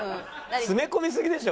詰め込みすぎでしょ！